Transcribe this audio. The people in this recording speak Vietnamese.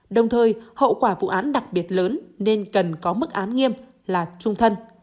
đồng thời hậu quả vụ án đặc biệt lớn nên cần có mức án nghiêm là trung thân